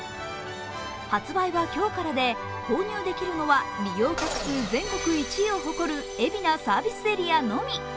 発売は今日からで購入できるのは利用客数全国１位を誇る海老名サービスエリアのみ。